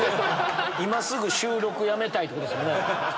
今すぐ収録やめたい！ってことですよね。